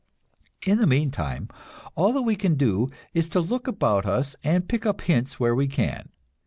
In the meantime, all that we can do is to look about us and pick up hints where we can.